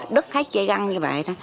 đứt khách dây găng như vậy